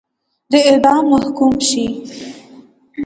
د اعدام محکوم شي.